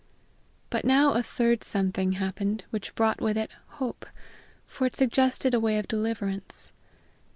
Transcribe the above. But now a third something happened which brought with it hope, for it suggested a way of deliverance.